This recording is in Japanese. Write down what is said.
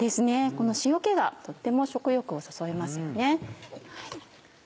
この塩気がとっても食欲をそそりますよね。